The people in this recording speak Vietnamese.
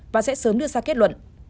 và sẽ sớm đưa ra kết luận